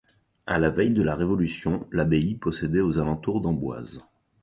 À la veille de la Révolution, l'abbaye possédait aux alentours d'Amboise.